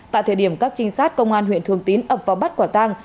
tại thời điểm các trinh sát công an huyện thường tín ập vào bắt quả tang